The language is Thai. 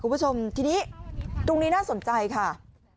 คุณผู้ชมทีนี้ตรงนี้น่าสนใจค่ะ